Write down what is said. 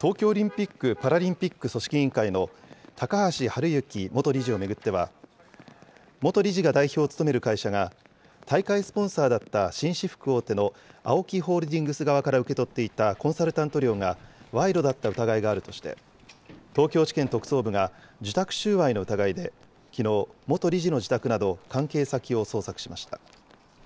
東京オリンピック・パラリンピック組織委員会の、高橋治之元理事を巡っては、元理事が代表を務める会社が大会スポンサーだった紳士服大手のＡＯＫＩホールディングス側から受け取っていたコンサルタント料が賄賂だった疑いがあるとして、東京地検特捜部が受託収賄の疑いできのう、元理事の自宅など、関係先を捜索しました。